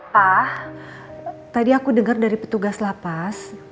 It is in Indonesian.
pak tadi aku denger dari petugas lafaz